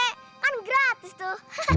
kan gratis tuh